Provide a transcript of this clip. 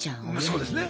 そうですね。